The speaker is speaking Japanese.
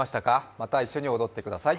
また一緒に踊ってください。